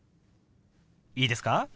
いいですか？